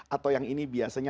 atau yang ini biasanya